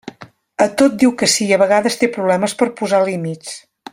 A tot diu que sí i a vegades té problemes per posar límits.